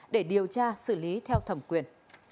để điều tra xử lý theo thẩm quyền